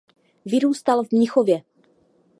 Vyrůstal v Mnichově.